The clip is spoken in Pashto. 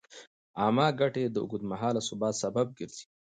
عامه ګټې د اوږدمهاله ثبات سبب ګرځي.